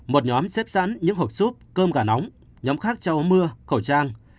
một nhóm xếp sẵn những hộp súp cơm gà nóng nhóm khác trao mưa khẩu trang